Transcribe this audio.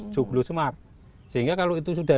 joglo smart sehingga kalau itu sudah